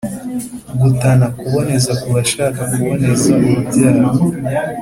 gutana kuboneza kubashaka kuboneza urubyaro